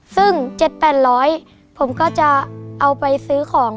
ซึ่ง๗๘๐๐ผมก็จะเอาไปซื้อของ